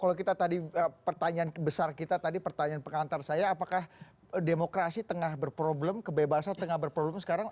kalau kita tadi pertanyaan besar kita tadi pertanyaan pengantar saya apakah demokrasi tengah berproblem kebebasan tengah berproblem sekarang